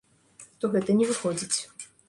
То гэта не выходзіць.